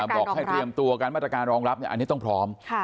บอกให้เตรียมตัวกันมาตรการรองรับอันนี้ต้องพร้อม